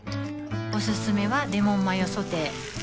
おすすめはレモンマヨソテー